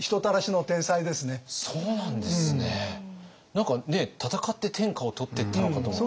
何か戦って天下を取ってったのかと思ったら。